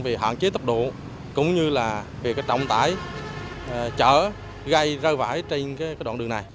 vì hạn chế tốc độ cũng như là việc trọng tải chở gây rơi vải trên đoạn đường này